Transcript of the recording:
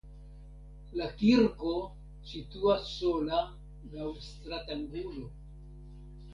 La kirko situas sola laŭ stratangulo.